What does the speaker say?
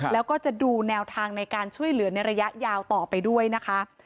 แล้วก็จะดูแนวทางในการช่วยเหลือในระยะยาวต่อไปด้วยนะคะ